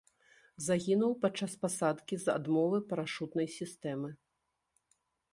Загінуў падчас пасадкі з-за адмовы парашутнай сістэмы.